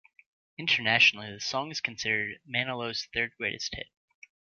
Internationally, the song is considered Manilow's third-greatest hit.